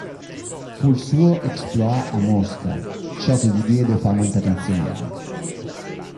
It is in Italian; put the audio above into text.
Fu il suo exploit a Mosca, ciò che gli diede fama internazionale.